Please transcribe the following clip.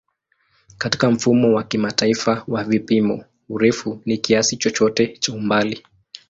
Katika Mfumo wa Kimataifa wa Vipimo, urefu ni kiasi chochote cha umbali.